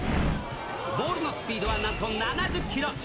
ボールのスピードはなんと７０キロ。